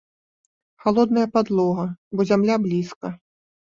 Халодная падлога, бо зямля блізка.